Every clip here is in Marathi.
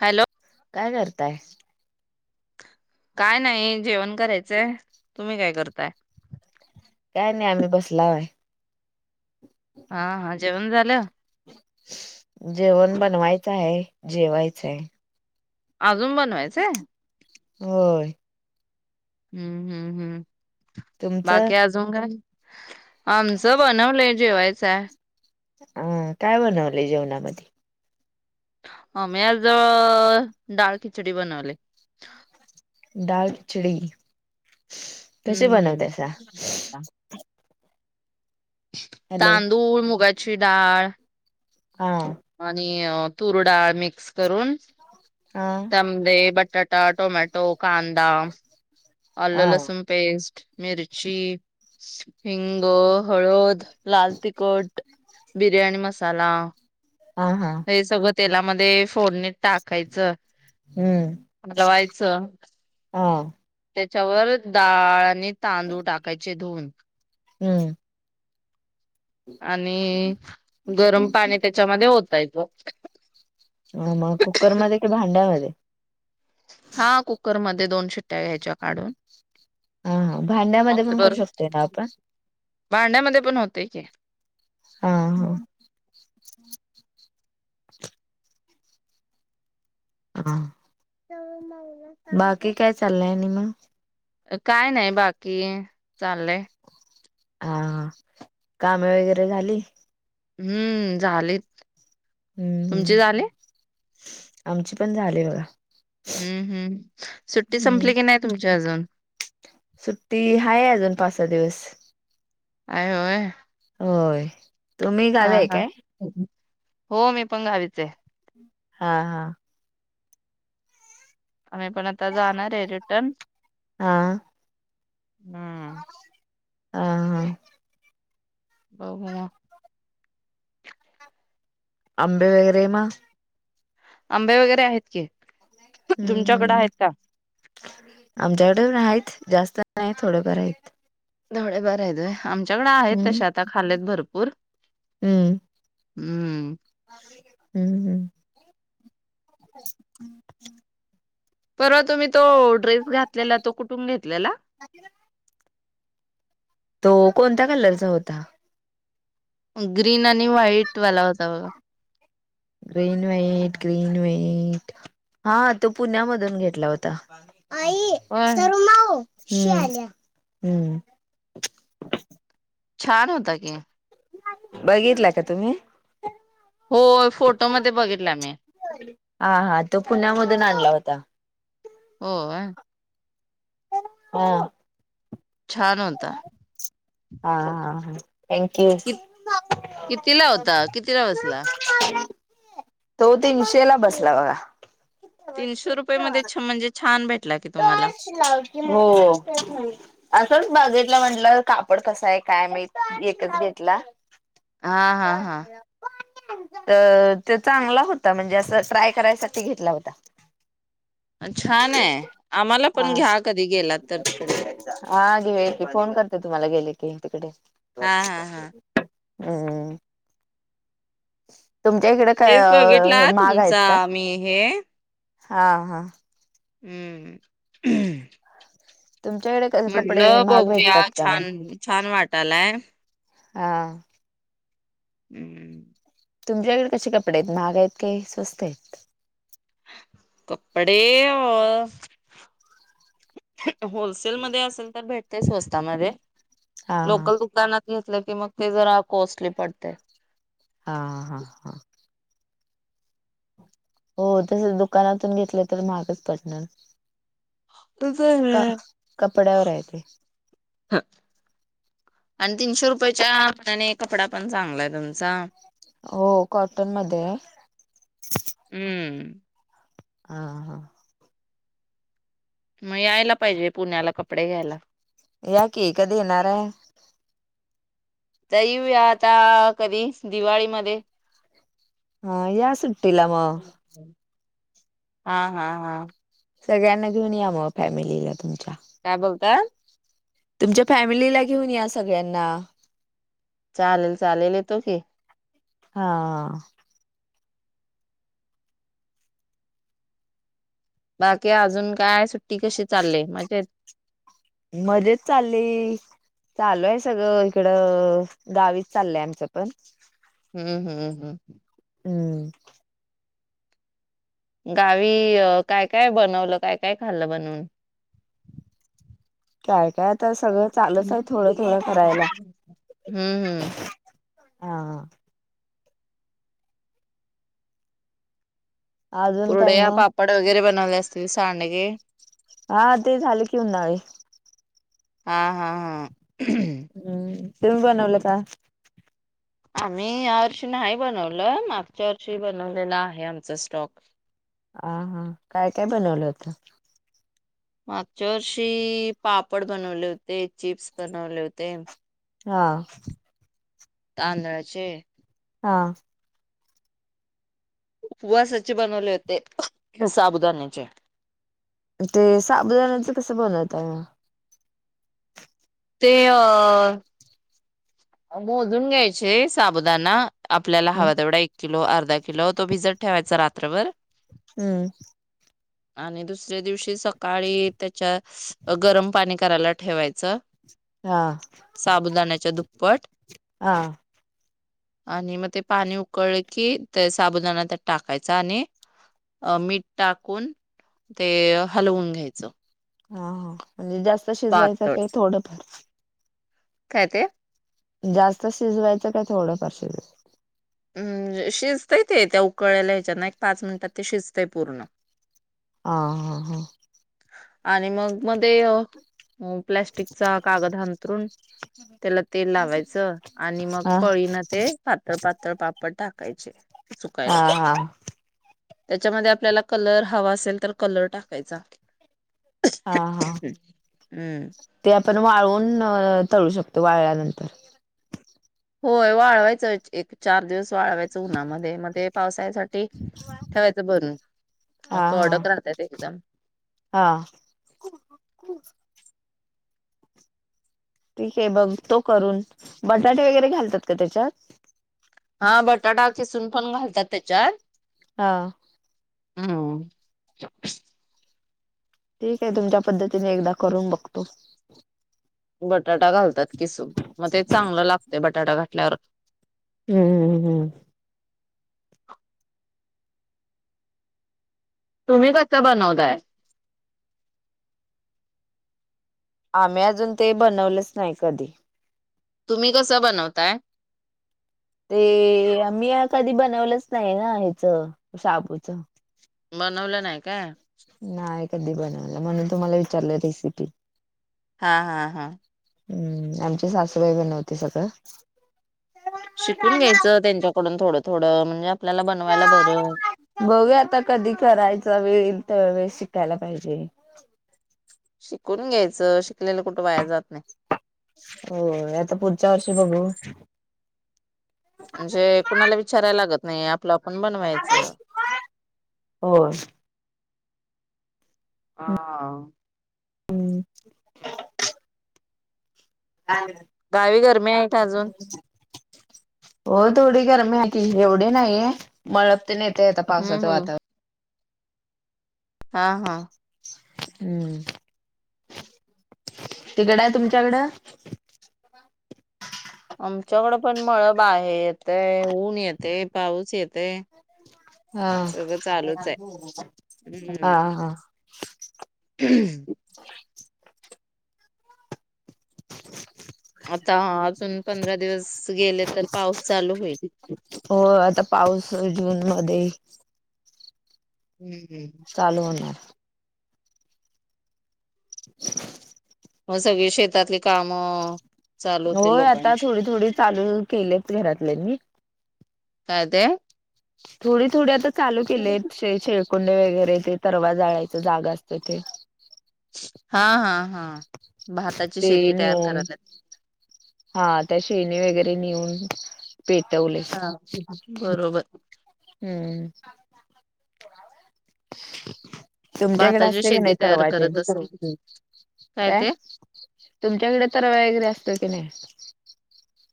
हॅलो काय करताय? काय नाही जेवण करायचंय तुम्ही काय करताय? काय नाही आम्ही बसलाव हाय. हा हा जेवण झालं? जेवण बनवायचं आहे? जेवायचं आहे? आजून बनवायचे? होय. हम्म हम् हम् तुमचं बाकी आ जुन काय आमचं बनवलंय जेवायचंय. अ काय बनवलय जेवणामध्ये? आम्ही आज डाळ खिचडी बनवलय. डाळ खिचडी. कशी हम्म बनवतायसा हम्म. हॅलो तांदूळ, मुगाची डाळ हा आणि अ तुरडाळ मिक्स करून हा मग ते बटाटा, टोमॅटो, कांदा, हा आल-लसुण पेस्ट मिरची हिंग, हळद, लाल तिखट, बिर्याणी मसाला हा हा हे सगळं तेलामध्ये फोडणी टाकायचं हम्म हलवायचं हा त्याच्यावर डाळ आणि तांदूळ टाकायचे धुऊन हम्म आणि गरम पाणी त्याच्यामध्ये ओतायच मग कुकर मध्ये कि भांड्यामध्ये हा कुकर मध्ये दोन शिट्या घ्यायच्या काढून हा-हा भांड्यामध्ये मग पण करू बर शकतोय ना आपण भांड्यामध्ये पण होतंय की हा -हा हा सरू माऊला बाकी सांगू काय चाललंय आणि मग काय नाही बाकी चाललय हा कामे वगैरे झाली हम्म झालीत तुमचे झाले आमचे पण झाले बघा हम्म-हम्म सुट्टी हम्म संपली की नाही तुमची अजून सुट्टी हाय अजून पाच-सहा दिवस आहे होय होय तुम्ही गावी हा- आहे हा काय? हो मी पण गावीच आहे हा -हा आम्ही पण जाणार आहे आता रिटन हा हा -हा बघू मग आंबे वगैरे मग आंबे वगैरे आहेत की हम्म तुमच्याकड हम्म आहेत का आमच्याकडे पण आहेत जास्त नाही थोडेफार आहेत थोडेफार आहेत होय आमच्याकडे आहेत हम्म तशे आता खालेत भरपूर हम्म हम्म-हम्म परवा तुम्ही तो ड्रेस घातलेला तो कुठून घेतलेला आदिराज तो कोणत्या कलर चा होता ग्रीन आणि व्हाईट वाला होता बघा ग्रीन, व्हाईट - ग्रीन, व्हाईट हा तो पुण्या मधून घेतला होता आई होय सरु माऊ शी आल्या हम्म छान होता की बघितला का तुम्ही? होय, फोटोमध्ये बघितला मी. हा हा, तो पुण्यामधून आणला होता. होय हां. छान होता हा हा हा, थँक्यू किती ला होता, किती ला बसला. तो, तीनशेला बसला बघा. तीनशे रुपये मध्ये, छ म्हणजे छान भेटला की तुम्हाला. हो. असंच बाघितला म्हटलं, कापड कसं आहे काय? मी एकच घेतला. हा हा हा [unintelligible] तर त्यो चांगला होता, म्हणजे असं ट्राय करायसाठी घेतला होता. छान आहे आम्हाला [inaudible] आ, पण घ्या कधी गेलात तर तिकडे हा घे की फोन कर तर तुम्हाला गेले की, तिकडे. बर हा हा हा हम्म, तुमच्या इकडे काय तेच अ बघितला महाग आहेत तुमचा काय? मी हे हा.. हा. हम्म. तुमच्याकडे कपडे म्हटलं महाग बघूया, भेटतात का म्हण छान छान वाटालाय. हा. [inaudible] तुमच्याकडे कशी कपडे आहेत, महाग आहेत कि स्वस्त आहेत? कपडे अ, होलस तेल मध्ये असेल तर भेटते स्वस्ता मध्ये, हा लोकल दुकानात घेतलं की मग ते जरा कॉस्टली पडतंय. हा हा हा हो, तसं दुकानातून घेतलं तर महागच पडणार. का-कपड्यावर आहे ते हं, आणि तीनशे रुपयाच्या, मानाने कपडा पण चांगलाय तुमचा हो, कॉटनमध्ये आहे हम्म. हा हा. म यायला पाहिजे, पुण्याला कपडे घ्यायला. या की, कधी येणाराय? तर येऊया आता, कधी दिवाळीमध्ये हा या सुट्टीला म हा हा हा. सगळ्यांना घेऊन या मग, फॅमिलीला तुमच्या काय बोलताय तुमच्या फॅमिलीला घेऊन या सगळ्यांना. चालेल-चालेल येतो की. हा. बाकी अजून काय, सुट्टी कशी चालले मजेत? मजेत चालले. चालू आय सगळं हिकडं गावीच चाललंय आमचं पण. हम्म हम्म हम्. हम्म. गावी अ, काय-काय बनवलं काय-काय खाल्लं बनवून? काय-काय आता सगळं चालत हाय थोडं-थोडं करायला. हम्म हम्म हा. अजून काय कुरड्या, मग पापड वगैरे बनवले असतील सांडगे? हा ते झालं की उन्हाळी. हा हा हा. हम्म, तुम्ही बनवलं का? आम्ही या वर्षी न्हाय बनवलं, मागच्या वर्षी बनवलेला आहे आमचा स्टॉक. आ हा, काय-काय बनवलं होत? मागच्या वर्षी पापड बनवले होते, चिप्स बनवले होते. हा. तांदळाचे. हा. उपवासाचे बनवले होते, साबुदान्याचे. ते साबुदाण्याचं कसं बनता? ते अ मोजून घ्यायचे साबुदाना, आपल्याला हम्म हवा तेवढा एक किलो अर्धा किलो तो भिजत ठेवायचा रात्रभर. हम्म. आणि दुसऱ्या दिवशी सकाळी त्याच्यात गरम पाणी कराला ठेवायचं. हा. बट [inaudible] आणि म ते पाणी उकळलं की, ते साबुणाना त्यात टाकायचा आणि अं मीठ टाकून ते हलवून घ्यायचं. हा हा, म्हणजे जास्त शिजवायचं पातळ काय थोडं काय ते? जास्त शिजवायचं काय थोडंफार शिज? हम्म, जे शिजतंय ते त्या उकळलेल्या ह्याच्यात ना, एक पाच मिनिटांत ते शिजतय पूर्ण. हा हा हा. आणि मग मध्ये प्लॅस्टिकचा कागद हांथरून त्याला तेल लावायचं. आणि मग हा पळीनं ते पातळ पातळ पापड टाकायचे. हा सुकायला हा. त्याच्यामध्ये आपल्याला कलर हवा असेल तर, कलर टाकायचा. हा हा. हम्म हम्. ते आपण वाळवून तळू शकतो, वाळल्यानंतर. होय, वाळवायचं एक चार दिवस वाळवायचं उन्हामध्ये मग ते पावसाळसाठी ठेवायचं भरून. मग हा हा कोरडंक राहतं एकदम. हा. ठीक आहे, बघतो करून. बटाटे वगैरे घालतात का त्याच्यात? हा, बटाटा खिसून पण घालतात त्याच्यात. हा. हम. ठीक आहे, तुमच्या पद्धतीने एकदा करून बघतो. बटाटा घालतात किसून, मग ते चांगलं लागते बटाटा घातल्यावर. हम्मम. हम्म. तुम्ही कसं बनवताय? आम्ही अजून ते बनवलंच नाही कधी. तुम्ही कसं बनवताय? ते मी आ कधी बनवलंच नाही ना, ह्याचं शाबूचं. बनवलं नाही काय? नाही कधी बनवलं. म्हणून तुम्हाला विचारलं रेसिपी. हा. हा. हा. हम्म, आमची सासूबाई बनवती सगळं. शिकून घ्यायचं त्यांच्याकडून थोडं-थोडं, म्हणजे आपल्याला बनवायला बरं. बघुया, आता कधी करायचा वेळ येईल त्या वेळेस शिकायला पाहिजे. शिकून घ्यायचं. शिकलेलं कुठं वाया जात नाही. होय. आता पुढच्या वर्षी बघू. म्हणजे कुणाला विचारायला लागत नाही. आप ल्या आपण बनवायचं. होय. हा. [unintelligible] गावी गर्मी आहे का अजून? हो, थोडी गर्मी आहे की. एवढी नाही. म ते नं येतंय आता पावसाच हं, हं. वातावरण. हा. हा. हम्म. तिकड आहे तुमच्याकडं. आमच्याकडं पण मळब आहे. येतय ऊन येते पाऊस येते. हा सगळं चालूच आहे. हा हम्म. हा हम्. म आता अजून पंधरा दिवस गेले तर पाऊस चालू होईल? हो आता पाऊस जूनमध्ये. हम् हम्म. चालू होणार. [unintelligible] मग सगळी शेतातली कामं. चालू होती होय, आता लोकांची थोडी थोडी चालू केलीत घरातल्या म काय ते? थोडी थोडी आता चालू केलेत. शेळ शेळकुंडे वगैरे ते तरवा जाळायच जागा असत ते. हा हा हा. भाताची शेती तयार करायला. हां त्या शेणी वगैरे नेऊन पेटवले हां बरोबर हम्म [inaudible] तुमच्याकडे भाताची असते की नाही शेती तयार तरवा अजुन करत असेल काय तुमच्याकडे तरवा वगैरे असतोय की नाही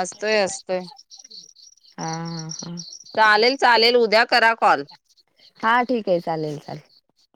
असतोय असतोय हां हां चालेल चालेल उद्या करा कॉल हां ठीक आहे चालेल चालेल